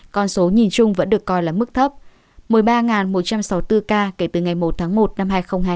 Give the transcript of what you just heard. con số nhìn chung vẫn được coi là mức thấp một mươi ba một trăm sáu mươi bốn ca kể từ ngày một tháng một năm hai nghìn hai mươi